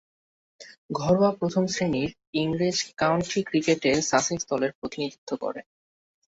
ঘরোয়া প্রথম-শ্রেণীর ইংরেজ কাউন্টি ক্রিকেটে সাসেক্স দলের প্রতিনিধিত্ব করেন।